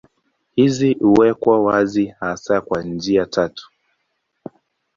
Hizi huwekwa wazi hasa kwa njia tatu.